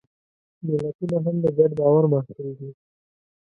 ملتونه هم د ګډ باور محصول دي.